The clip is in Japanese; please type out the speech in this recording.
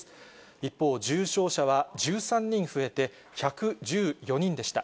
一方、重症者は１３人増えて１１４人でした。